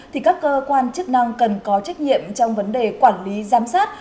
thì các cơ quan chức năng cần có trách nhiệm trong vấn đề quản lý giám sát